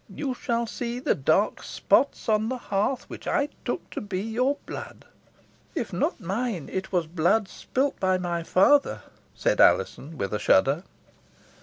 You shall see the dark spots on the hearth, which I took to be your blood." "If not mine, it was blood spilt by my father," said Alizon, with a shudder.